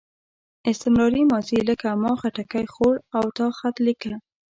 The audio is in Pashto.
استمراري ماضي لکه ما خټکی خوړ او تا خط لیکه.